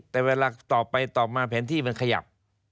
แต่เวลาตอบไปตอบมาแผนที่มันขยับ